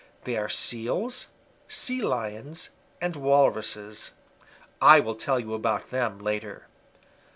They are Seals, Sea Lions and Walruses. I will tell you about them later.